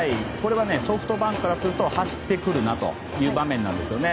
ソフトバンクからすると走ってくるなという場面ですね。